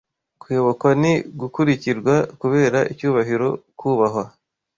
Kuyobokwa ni gukurikirwa kubera icyubahiro, kubahwa